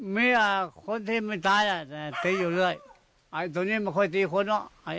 เมียคนที่ไม่ตายอ่ะแต่ตีอยู่เรื่อยไอ้ตัวนี้ไม่ค่อยตีคนเนอะ